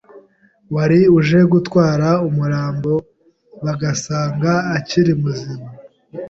wari uje gutwara umurambo bagasanga akiri muzima